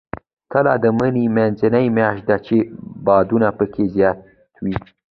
تله د مني منځنۍ میاشت ده، چې بادونه پکې زیات وي.